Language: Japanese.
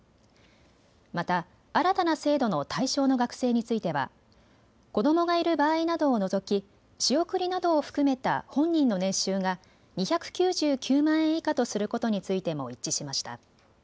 また新たな制度の対象の学生については子どもがいる場合などを除き仕送りなどを含めた本人の年収が２９９万円以下とすることについても一致しました。